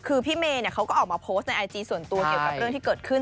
คือพี่เมย์เขาก็ออกมาโพสต์ในไอจีส่วนตัวเกี่ยวกับเรื่องที่เกิดขึ้น